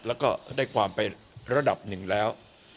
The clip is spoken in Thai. แล้วก็ได้ความไประดับหนึ่งแล้ว